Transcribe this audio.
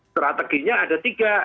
strateginya ada tiga